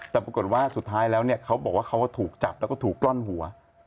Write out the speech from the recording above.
แต่ปรากฏว่าสุดท้ายแล้วเนี่ยเขาบอกว่าเขาถูกจับแล้วก็ถูกกล้อนหัว